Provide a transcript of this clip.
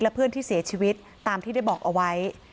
เพื่อนที่เสียชีวิตตามที่ได้บอกเอาไว้